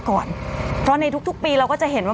กรมป้องกันแล้วก็บรรเทาสาธารณภัยนะคะ